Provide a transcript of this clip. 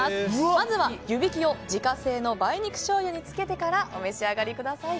まずは湯引きを自家製の梅肉しょうゆにつけてからお召し上がりください。